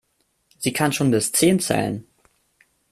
Sie kann schon bis zehn zählen.